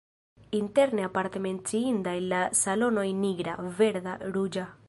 Interne aparte menciindaj la salonoj nigra, verda, ruĝa.